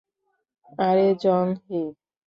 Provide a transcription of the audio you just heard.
আরে, জং-হি?